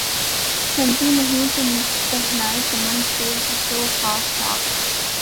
چنتی نہیں پہنائے چمن سے خس و خاشاک